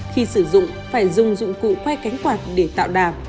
khi sử dụng phải dùng dụng cụ quay cánh quạt để tạo đàm